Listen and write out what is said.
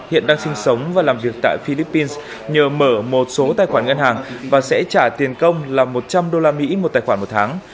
hiện đang sinh sống và làm việc tại philippines nhờ mở một số tài khoản ngân hàng và sẽ trả tiền công là một trăm linh usd một tài khoản một tháng